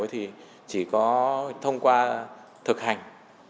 thì chỉ có thông qua thực hành